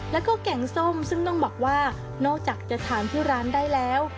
แล้วก็แกงส้มซึ่งต้องบอกว่านอกจากจะทานที่ร้านได้แล้ว